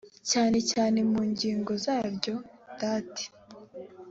cyane cyane mu ngingo zaryo date